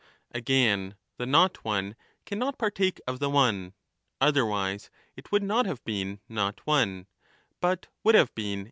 Again, the not one cannot partake of the one ; otherwise teles. it would not have been not one, but would have been in Again, »^«%«»«